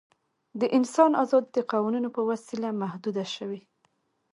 د انسان آزادي د قوانینو په وسیله محدوده شوې.